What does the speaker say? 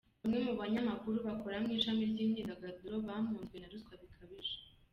Bamwe mu banyamakuru bakora mu ishami ry’imyidagaduro bamunzwe na ruswa bikabije.